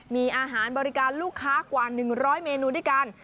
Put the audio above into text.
มีอาหารบริการลูกค้ากว่า๑๐๐เมนูด้วยกัน